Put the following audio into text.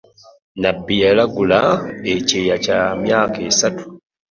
Nabbi yalagula ekyeya kya myaka esatu .